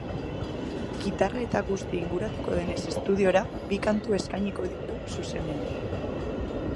Kitarra eta guzti inguratuko denez estudioetara bi kantu eskainiko ditu zuzenean.